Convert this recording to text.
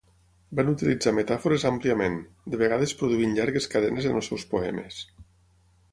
Van utilitzar metàfores àmpliament, de vegades produint llargues cadenes en els seus poemes.